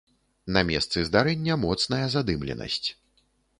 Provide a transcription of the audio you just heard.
На месцы здарэння моцная задымленасць.